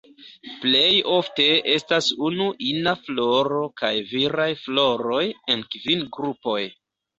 Plej ofte estas unu ina floro kaj viraj floroj en kvin grupoj.